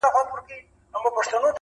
دې تورو سترګو ته دي وایه!!